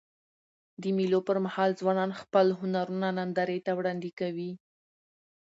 د مېلو پر مهال ځوانان خپل هنرونه نندارې ته وړاندي کوي.